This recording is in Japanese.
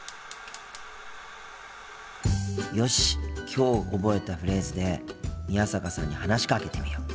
きょう覚えたフレーズで宮坂さんに話しかけてみよう。